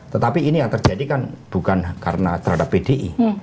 tetapi ini yang terjadi kan bukan karena terhadap pdi